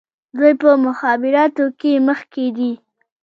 دوی په مخابراتو کې مخکې دي.